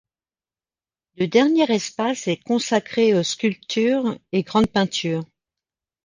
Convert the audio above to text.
Le dernier espace est consacré aux sculptures et grandes peintures.